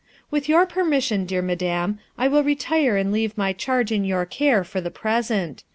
"With your permission, dear madam, I win retire and leave my charge in your care for the present.